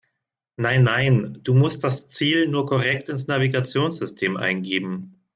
Nein, nein, du musst das Ziel nur korrekt ins Navigationssystem eingeben.